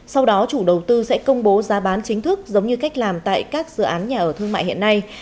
sau đó chủ đầu tư sẽ công bố giá bán chính thức giống như cách làm tại các dự án nhà ở thương mại hiện nay